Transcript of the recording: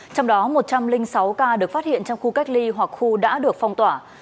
trong đó một trăm linh sáu ca được phát hiện trong khu cách ly hoặc khu đã được phong tỏa